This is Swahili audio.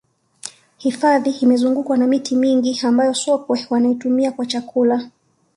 hifadhi imezungukwa na miti mingi ambayo sokwe wanaitumia kwa chakula